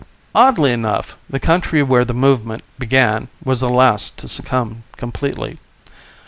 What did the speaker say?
Oddly enough, the country where the movement began was the last to succumb completely.